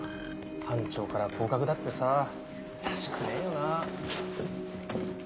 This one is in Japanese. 班長から降格だってさらしくねえよなぁ。